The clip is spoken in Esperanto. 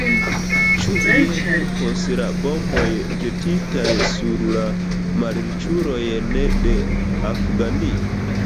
Ĉu iel helpos la bomboj ĵetitaj sur la malriĉulojn de Afganio?